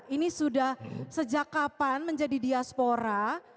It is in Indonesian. ini sudah sejak kapan menjadi diaspora